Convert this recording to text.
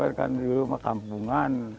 ya cuma kan dulu mah kampungan